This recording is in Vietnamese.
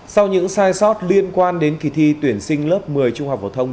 sau những sai sót liên quan đến kỳ thi tuyển sinh lớp một mươi trung học phổ thông